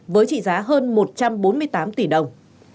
với trị giá hơn một trăm bốn mươi tám tỷ đồng